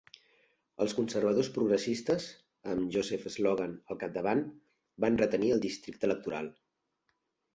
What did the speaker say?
Els conservadors progressistes, amb Joseph Slogan al capdavant, van retenir el districte electoral.